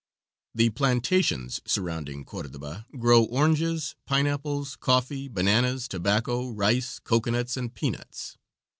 The plantations surrounding Cordoba grow oranges, pineapples, coffee, bananas, tobacco, rice, cocoanuts and peanuts.